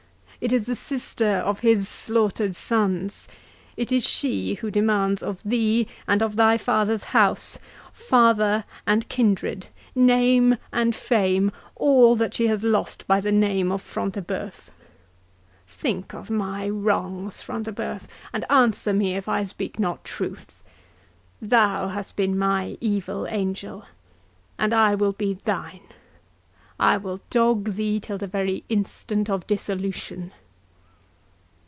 —it is the sister of his slaughtered sons!—it is she who demands of thee, and of thy father's house, father and kindred, name and fame—all that she has lost by the name of Front de Bœuf!—Think of my wrongs, Front de Bœuf, and answer me if I speak not truth. Thou hast been my evil angel, and I will be thine—I will dog thee till the very instant of dissolution!"